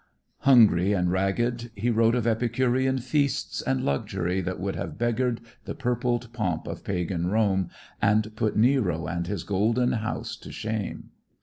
Hungry and ragged he wrote of Epicurean feasts and luxury that would have beggared the purpled pomp of pagan Rome and put Nero and his Golden House to shame.